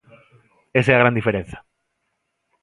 Esa é a gran diferenza.